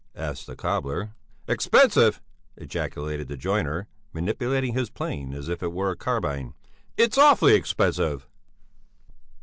asked the cobbler. "Expensive!" ejaculated the joiner, manipulating his plane as if it were a carbine. "It's awfully expensive!"